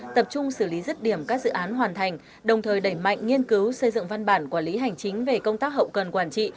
tập trung xử lý rứt điểm các dự án hoàn thành đồng thời đẩy mạnh nghiên cứu xây dựng văn bản quản lý hành chính về công tác hậu cần quản trị